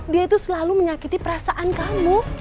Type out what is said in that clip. dia itu selalu menyakiti perasaan kamu